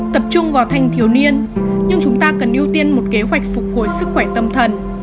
tập trung vào thanh thiếu niên nhưng chúng ta cần ưu tiên một kế hoạch phục hồi sức khỏe tâm thần